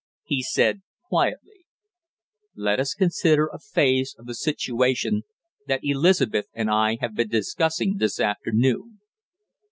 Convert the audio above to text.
He said quietly: "Let us consider a phase of the situation that Elizabeth and I have been discussing this afternoon.